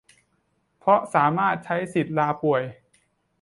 เพราะสามารถใช้สิทธิ์ลาป่วย